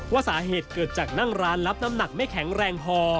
ว่าสาเหตุเกิดจากนั่งร้านรับน้ำหนักไม่แข็งแรงพอ